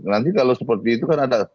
nanti kalau seperti itu kan ada